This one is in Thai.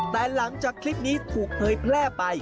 แต่หลังจากคลิปนี้ถูกเผยแพร่ไป